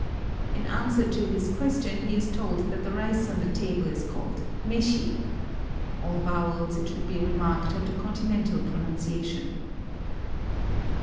In answer to this question he is told that the rice on the table is called meshi. (All vowels, it should be remarked, have the Continental pronunciation.)